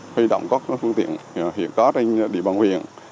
huy động các phương tiện hiện có trên địa bàn huyện